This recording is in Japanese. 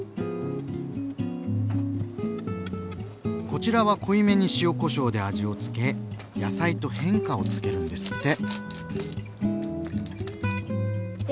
こちらは濃いめに塩こしょうで味を付け野菜と変化をつけるんですって。